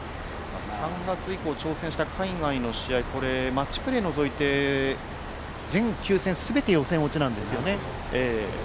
３月以降、挑戦した海外の試合マッチプレーを除いて、全９戦全て予選落ちなんですよね。